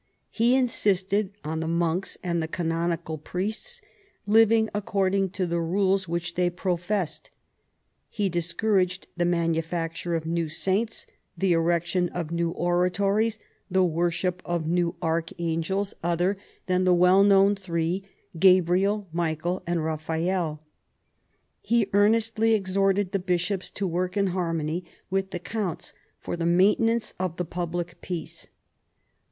He insisted on the monks and the canonical priests living according to the rules which they professed : he discouraged the manufacture of new saints, the erection of new orato ries, the worship of new archangels other than the * See p. 230, note. 310 CHARLEMAGNE. well known three, Gabriel, Michael, and Raphael. He earnestly exhorted the bishops to work in harmony with the counts for the maintenance of the public peace.